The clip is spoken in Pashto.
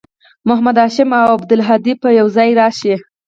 محمد هاشم او عبدالهادي به یوځای راشي